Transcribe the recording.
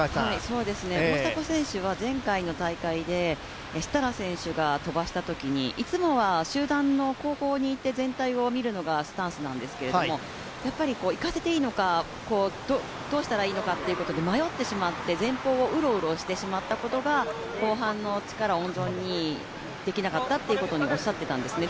大迫選手は前回の大会で設楽選手が飛ばしたときにいつもは集団の後方にいて全体を見るのがスタンスなんですけども、行かせていいのか、どうしたらいいのかということで迷ってしまって、前方をうろうろしてしまったことが後半の力温存できなかったとおっしゃっていたんですね。